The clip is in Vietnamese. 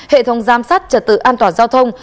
hệ thống giám sát trật tự an toàn giao thông